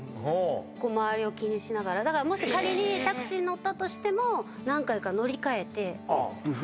こう周りを気にしながらだからもし仮にタクシー乗ったとしても何回か乗り換えてアップ